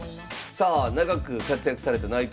さあ長く活躍された内藤九段。